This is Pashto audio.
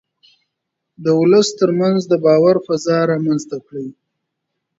د ولس ترمنځ د باور فضا رامنځته کړئ.